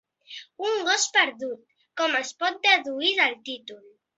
Un gos perdut, com es pot deduir del títol.